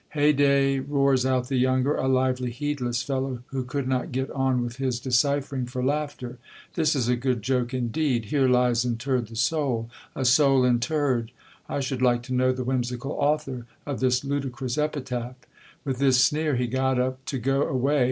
Hey day ! roars out the younger, a lively, heedless fellow, who could not get on with his deciphering for laughter : This is a good joke indeed :" Here lies interred the soul." .... A soul interred !.... I should like to know the whimsical author of this ludicrous epitaph. With this sneer he got up to go away.